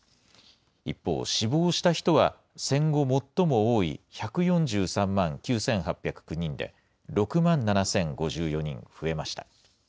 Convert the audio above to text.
一方、死亡した人は戦後最も多い、１４３万９８０９人で、６万７０５４人増えました。